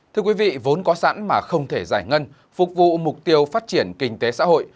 thưa quý vị vốn có sẵn mà không thể giải ngân phục vụ mục tiêu phát triển kinh tế xã hội